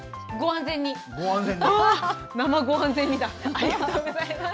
ありがとうございます。